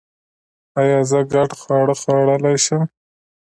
ایا زه ګډ خواړه خوړلی شم؟